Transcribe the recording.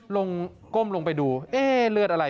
ก้มลงไปดูเอ๊ะเลือดอะไร